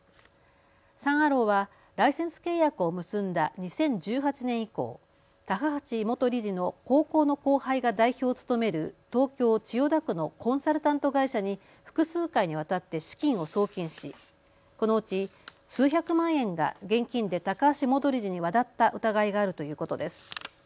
サン・アローはライセンス契約を結んだ２０１８年以降、高橋元理事の高校の後輩が代表を務める東京千代田区のコンサルタント会社に複数回にわたって資金を送金し、このうち数百万円が現金で高橋元理事に渡った疑いがあるということです。